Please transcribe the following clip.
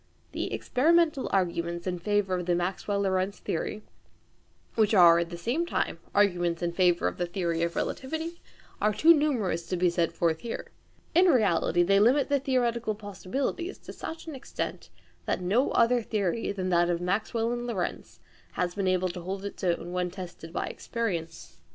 The experimental arguments in favour of the Maxwell Lorentz theory, which are at the same time arguments in favour of the theory of relativity, are too numerous to be set forth here. In reality they limit the theoretical possibilities to such an extent, that no other theory than that of Maxwell and Lorentz has been able to hold its own when tested by experience.